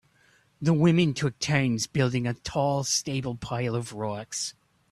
The women took turns building a tall stable pile of rocks.